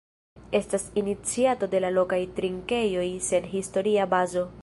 Estas iniciato de la lokaj trinkejoj sen historia bazo.